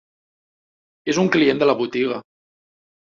És un client de la botiga.